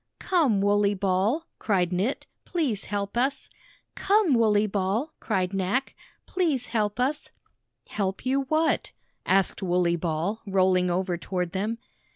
"Come, Wooley Ball," cried Knit, "please help us." "Come, Wooley Ball," cried Knack, "please help us." "Help you what?" asked Wooley Ball, rolling over toward them.